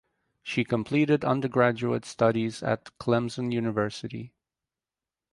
She completed undergraduate studies at Clemson University.